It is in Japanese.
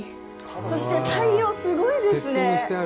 そして、太陽すごいですね。